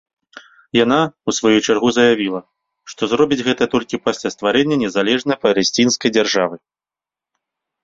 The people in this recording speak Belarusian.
Яна, у сваю чаргу заявіла, што зробіць гэта толькі пасля стварэння незалежнай палесцінскай дзяржавы.